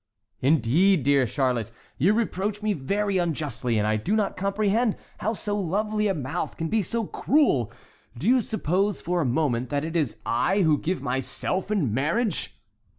"Indeed, dear Charlotte, you reproach me very unjustly, and I do not comprehend how so lovely a mouth can be so cruel. Do you suppose for a moment that it is I who give myself in marriage?